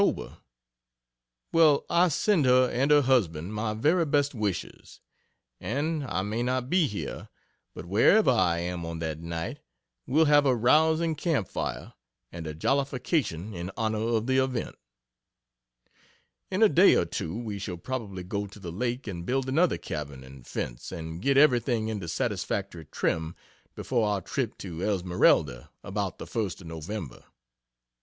Well, I send her and her husband my very best wishes, and I may not be here but wherever I am on that night, we'll have a rousing camp fire and a jollification in honor of the event. In a day or two we shall probably go to the Lake and build another cabin and fence, and get everything into satisfactory trim before our trip to Esmeralda about the first of November.